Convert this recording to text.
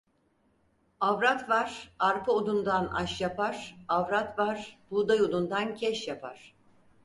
Avrat var, arpa unundan aş yapar; avrat var, buğday unundan keş yapar.